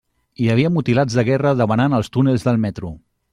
Hi havia mutilats de guerra demanant als túnels del metro.